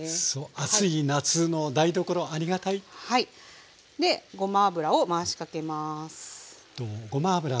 暑い夏の台所ありがたい。でごま油を回しかけます。